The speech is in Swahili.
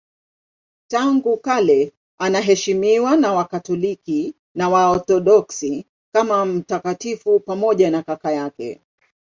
Tangu kale anaheshimiwa na Wakatoliki na Waorthodoksi kama mtakatifu pamoja na kaka yake.